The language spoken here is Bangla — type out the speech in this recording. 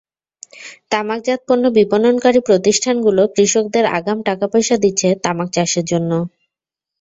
তামাকজাত পণ্য বিপণনকারী প্রতিষ্ঠানগুলো কৃষকদের আগাম টাকাপয়সা দিচ্ছে তামাক চাষের জন্য।